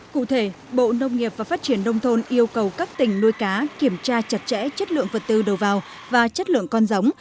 cụ thể bộ nông nghiệp và phát triển đông thôn yêu cầu các tỉnh nuôi cá kiểm tra chặt chẽ chất lượng vật tư đầu vào và chất lượng con giống